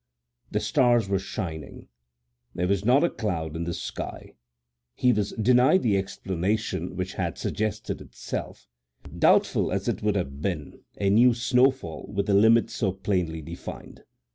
The stars were shining; there was not a cloud in the sky; he was denied the explanation which had suggested itself, doubtful as it would have beenŌĆöa new snowfall with a limit so plainly defined.